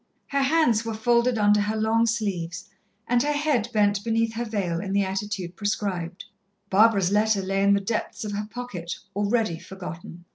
Her hands were folded under her long sleeves and her head bent beneath her veil, in the attitude prescribed. Barbara's letter lay in the depths of her pocket, already forgotten.